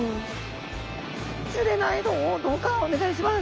釣れないぞどうかお願いします！